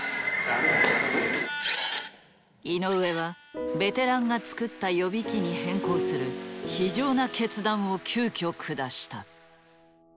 井上はベテランが作った予備機に変更する非情な決断を急きょ下した。